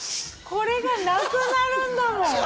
これがなくなるんだもん。